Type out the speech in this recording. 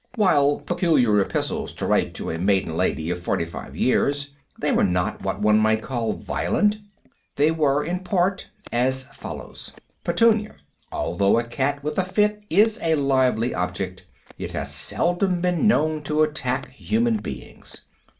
While peculiar epistles to write to a maiden lady of forty five years, they were not what one might call violent. They were, in part, as follows: PETUNIA: Although a cat with a fit is a lively object, it has seldom been known to attack human beings.